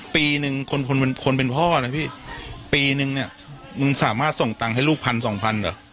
ปีหนึ่งคนคนเป็นพ่อนะพี่ปีนึงเนี่ยมึงสามารถส่งตังค์ให้ลูกพันสองพันเหรอ